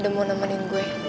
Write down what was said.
udah mau nemenin gue